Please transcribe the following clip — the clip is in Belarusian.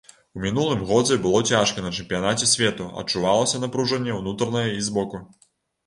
У мінулым годзе было цяжка на чэмпіянаце свету, адчувалася напружанне ўнутранае і з боку.